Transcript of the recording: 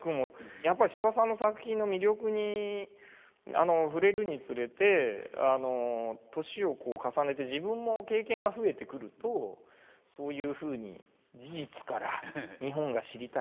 やっぱり司馬さんの作品の魅力に触れるにつれて年をこう重ねて自分の経験が増えてくるとそういうふうに事実から日本が知りたいと。